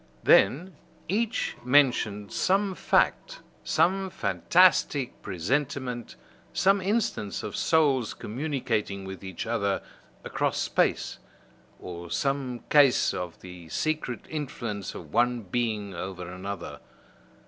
Then, each mentioned some fact, some fantastic presentiment some instance of souls communicating with each other across space, or some case of the secret influence of one being over another.